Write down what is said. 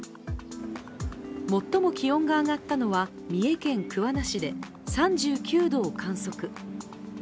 最も気温が上がったのは三重県桑名市で３９度を観測。